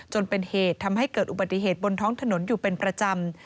จนเป็นเหตุทำให้เกิดอุบัติเหตุบนท้องถนนอยู่เป็นประจำ